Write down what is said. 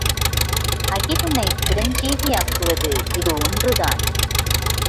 அகிலனை சிரஞ்சீவியாக்குவது இது ஒன்றுதான்!